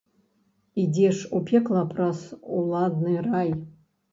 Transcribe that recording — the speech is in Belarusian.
Ідзеш у пекла праз уладны рай.